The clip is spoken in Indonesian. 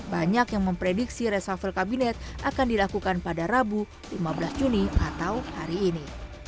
banyak yang memprediksi resafel kabinet akan dilakukan pada rabu lima belas juni atau hari ini